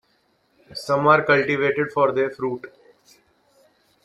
Some are cultivated for their fruit.